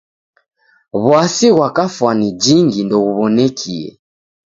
W'asi ghwa kafwani jingi ndeghuw'onekie.